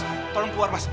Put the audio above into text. mas tolong keluar mas